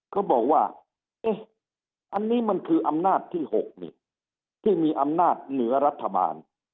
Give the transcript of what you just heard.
เขาบอกว่าเอ๊ะอันนี้มันคืออำนาจที่๖ที่มีอำนาจเหนือรัฐบาล